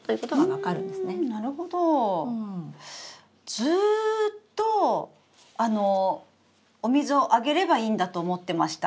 ずっとあのお水をあげればいいんだと思ってました。